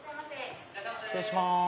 失礼します。